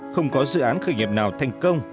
không có dự án khởi nghiệp nào thành công